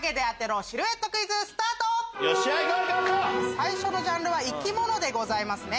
最初のジャンルは生き物でございますね。